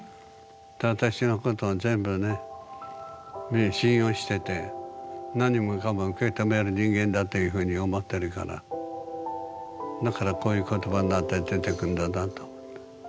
私のことを全部ね信用してて何もかも受け止める人間だというふうに思ってるからだからこういう言葉になって出てくんだなと。